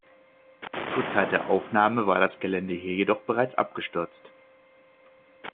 Zur Zeit der Aufnahme war das Gelände hier jedoch bereits abgestürzt.